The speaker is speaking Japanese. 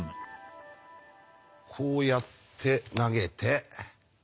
こうやって投げて。